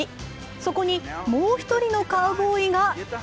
そこにもう一人のカウボーイが。